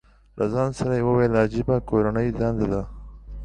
له ځان سره یې وویل، عجیبه کورنۍ دنده ده.